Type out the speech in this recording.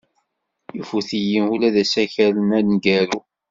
Ifut-iyi ula d asakal aneggaru.